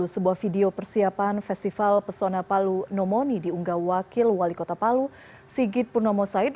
sebuah video persiapan festival pesona palu nomoni diunggah wakil wali kota palu sigit purnomo said